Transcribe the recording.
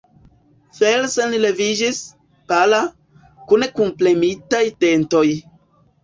Felsen leviĝis, pala, kun kunpremitaj dentoj.